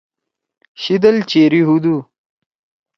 شیِدل چیری ہُودُو